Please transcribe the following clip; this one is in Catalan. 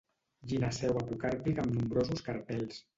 Gineceu apocàrpic amb nombrosos carpels.